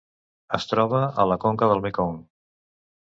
Es troba a la conca del Mekong.